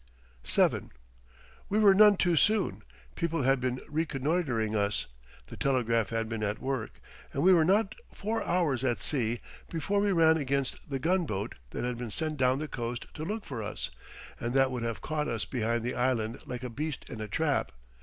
VII We were none too soon. People had been reconnoitring us, the telegraph had been at work, and we were not four hours at sea before we ran against the gunboat that had been sent down the coast to look for us and that would have caught us behind the island like a beast in a trap.